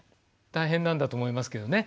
大変なんだと思いますけどね。